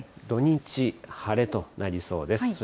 土日、晴れとなりそうです。